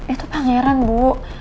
itu pangeran bu